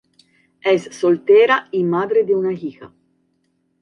Es soltera y madre de una hija.